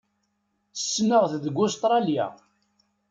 Ssneɣ-t deg Ustṛalya.